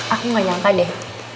aku nggak nyangka deh